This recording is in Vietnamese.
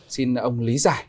xin ông lý giải